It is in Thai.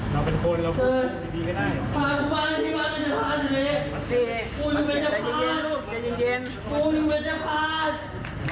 เราเป็นคนเราพูดดีก็ได้ที่บ้านเป็นจับภาพอยู่นี้